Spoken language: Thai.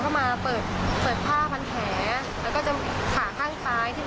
คือเมื่อเช้าคุณหมอเขาก็มาเปิดผ้าพันแผน